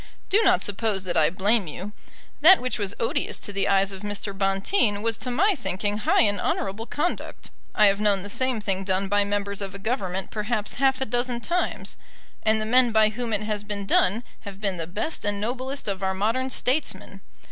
"Do not suppose that I blame you. That which was odious to the eyes of Mr. Bonteen was to my thinking high and honourable conduct. I have known the same thing done by members of a Government perhaps half a dozen times, and the men by whom it has been done have been the best and noblest of our modern statesmen.